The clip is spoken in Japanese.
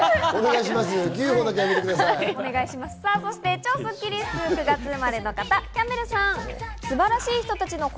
超スッキりすは９月生まれの方、キャンベルさん。